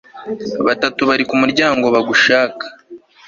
batatu bari ku muryango bagushaka